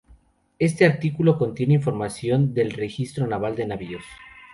Este artículo contiene información del registro naval de navíos.